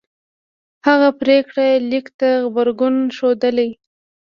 هغه پرېکړه لیک ته غبرګون ښودلی